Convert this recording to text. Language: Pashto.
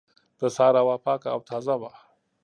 د سهار هوا پاکه او تازه وه.